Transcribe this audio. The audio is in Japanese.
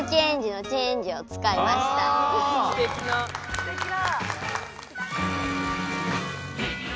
すてきだ！